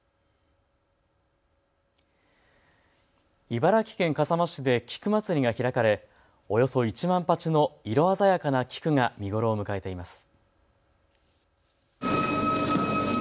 茨城県笠間市で菊まつりが開かれおよそ１万鉢の色鮮やかな菊が見頃を迎えています。